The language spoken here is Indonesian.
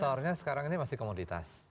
faktornya sekarang ini masih komoditas